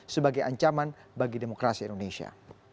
sebagai ancaman bagi demokrasi indonesia